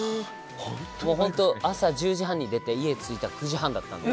本当、朝１０時半に出て家、着いたのは９時半だったので。